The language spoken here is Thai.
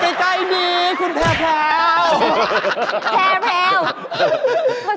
ไปใกล้ดีคุณแพร่แพร่ว